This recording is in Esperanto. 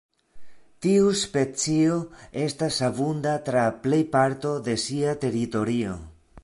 Tiu specio estas abunda tra plej parto de sia teritorio.